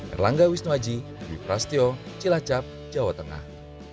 erlangga wisnuaji biprastio cilacap jawa tengah